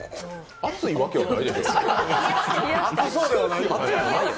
熱いわけはないでしょう。